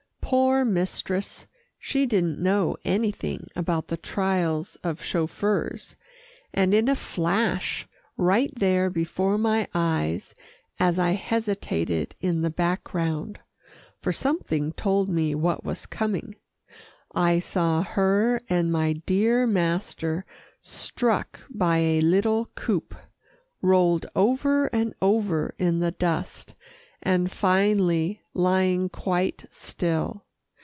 Poor mistress, she didn't know anything about the trials of chauffeurs, and, in a flash, right there before my eyes as I hesitated in the background, for something told me what was coming I saw her and my dear master struck by a little coupé, rolled over and over in the dust, and finally lying quite still.